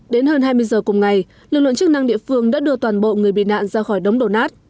đến hơn hai mươi giờ cùng ngày lực lượng chức năng địa phương đã đưa toàn bộ người bị nạn ra khỏi đống đổ nát